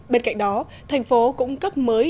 bên cạnh đó thành phố cũng cấp mới